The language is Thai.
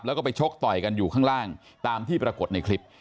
แล้วก็ไปชกต่อยกันอยู่ข้างล่างตามที่ปรากฏในคลิป